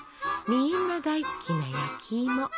みんな大好きな焼きいも。